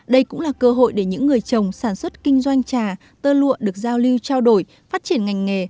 đây cũng là cơ hội để những người trồng sản xuất kinh doanh trà tơ lụa được giao lưu trao đổi phát triển ngành nghề